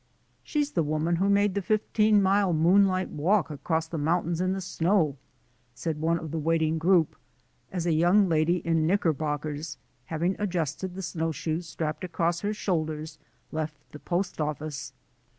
" She's the woman who made the fifteen mile moonlight walk across the mountains in the snow," said one of the waiting group, as a young lady in knickerbockers, having adjusted the snowshoes strapped across her shoulders, left the post office.